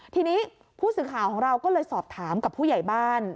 ทีนี้ผู้สื่อข่าวของเราก็เลยสอบถามกับผู้ใหญ่บ้าน